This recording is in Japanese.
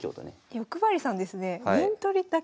欲張りさんですねえ。